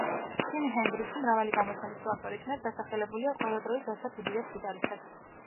ჯიმი ჰენდრიქსი მრავალი გამოცემის თუ ავტორის მიერ დასახელებულია ყველა დროის ერთ-ერთ უდიდეს გიტარისტად.